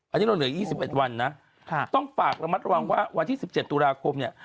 อันนี้เราเหลือ๒๑วันนะต้องฝากระมัดระวังว่าวันที่๑๗ตุลาคมเนี่ย